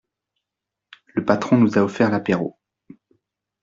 Le patron nous a offert l'apéro.